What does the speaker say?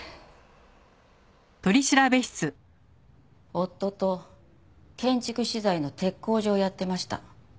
夫と建築資材の鉄工所をやってました。